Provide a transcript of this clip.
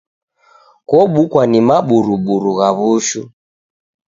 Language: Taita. Kobukwa ni maburuburu gha w'ushu